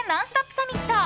サミット。